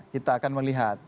kita akan melihat